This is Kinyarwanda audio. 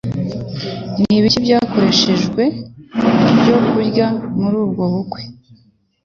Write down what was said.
Nibiki Byakoreshejwe byo kurya muri ubwo bukwe